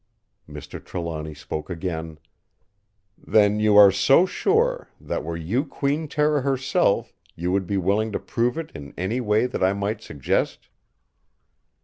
Mr. Trelawny spoke again: "Then you are so sure, that were you Queen Tera herself, you would be willing to prove it in any way that I might suggest?"